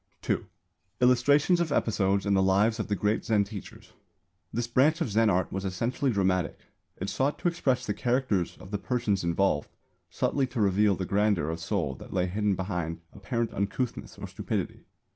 (2) Illustrations of episodes in the lives of the great Zen teachers. This branch of Zen art was essentially dramatic. It sought to express the characters of the persons involved, subtly to reveal the grandeur of soul that lay hidden behind apparent uncouthness or stupidity.